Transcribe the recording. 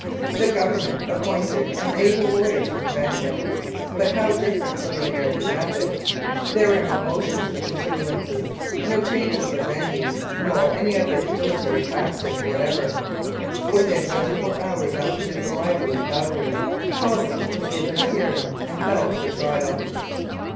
The Government appointed an able lawyer to defend him, but how different from the Ameri can method ; there were no motions for continuances, nor changes of venue, nor any other dilatory tactics what ever. Within twenty four hours after his arrival in Calgary, Collins was given a hearing and held for trial.